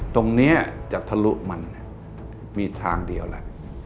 ตรงนี้จะทะลุมันมีทางเดียวแหละ